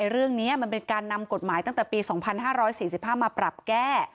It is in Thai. เรื่องนี้มันเป็นการนำกฎหมายตั้งแต่ปี๒๕๔๕มาปรับแก้